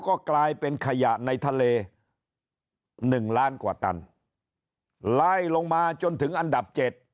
ก็กลายเป็นขยะในทะเล๑ล้านกว่าตันลายลงมาจนถึงอันดับ